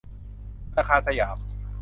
ธนาคารสยาม